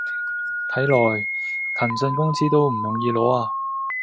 睇來騰訊工資都唔容易攞啊